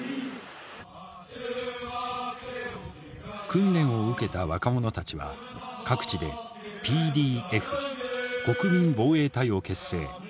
訓練を受けた若者たちは各地でＰＤＦ国民防衛隊を結成。